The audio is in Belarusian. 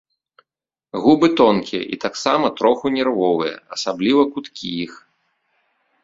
Губы тонкія і таксама троху нервовыя, асабліва куткі іх.